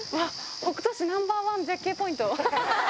北杜市ナンバー１絶景ポイント？